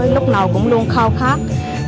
lúc nào cũng luôn khao khát